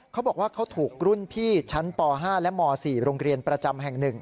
เขาบอกว่าเขาถูกรุ่นพี่ชั้นป๕และม๔โรงเรียนประจำแห่ง๑